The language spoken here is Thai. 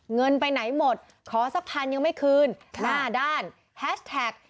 เงินไปไหนหมดขอสักพันยังไม่คืนหน้าด้านแฮชแท็ก